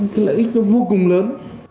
cái lợi ích nó vô cùng lớn